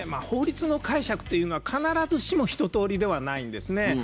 法律の解釈というのは必ずしも一通りではないんですね。